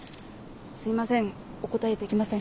すいませんお答えできません。